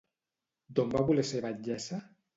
D'on va voler ser batllessa?